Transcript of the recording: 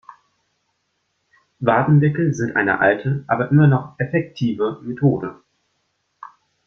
Wadenwickel sind eine alte aber immer noch effektive Methode.